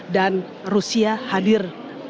dan rusia hadir